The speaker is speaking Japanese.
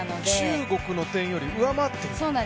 中国の点よりも上回っている。